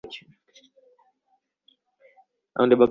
আমাদের বোকা বানানো হয়েছে।